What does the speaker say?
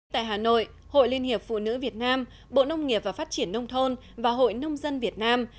tại hà nội hội liên hiệp phụ nữ việt nam bộ nông nghiệp và phát triển nông thôn và hội nông dân việt nam